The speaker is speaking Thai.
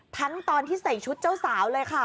ทั้งตอนที่ใส่ชุดเจ้าสาวเลยค่ะ